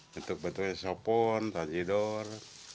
bentuk bentuknya sopon tanjidor